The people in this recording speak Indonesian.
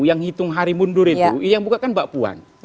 yang hitung hari mundur itu yang buka kan mbak puan